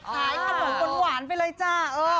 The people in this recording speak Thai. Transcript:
ขายขนมหวานไปเลยจ้า